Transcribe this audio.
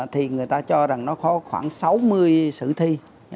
thì người ta cho rằng nó có khoảng sáu mươi sử thi